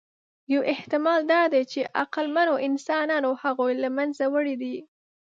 یو احتمال دا دی، چې عقلمنو انسانانو هغوی له منځه وړي دي.